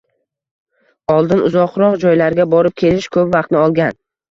Oldin uzoqroq joylarga borib kelish ko'p vaqtni olgan.